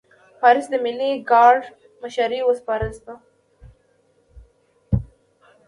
پاریس د ملي ګارډ مشري وسپارل شوه.